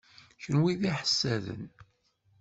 Kenwi d iḥessaden.